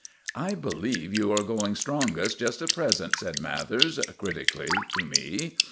"I believe you are going strongest just at present," said Mathers, critically, to me.